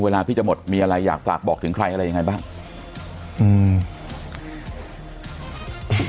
พี่จะหมดมีอะไรอยากฝากบอกถึงใครอะไรยังไงบ้างอืม